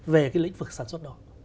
về cái lĩnh vực sản xuất đó